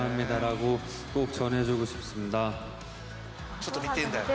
ちょっと似てるんだよね。